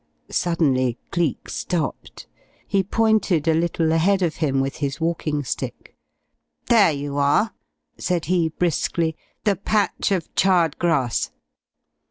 Suddenly Cleek stopped. He pointed a little ahead of him with his walking stick. "There you are!" said he briskly. "The patch of charred grass."